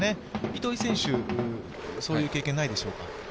糸井選手、そういう経験ないでしょうか？